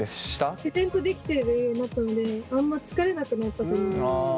自然とできてるようになったのであんま疲れなくなったと思います。